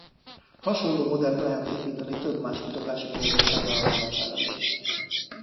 Hasonló modellt lehet építeni több más kutatási kérdés megválaszolására is.